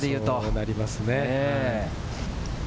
そうなりますね。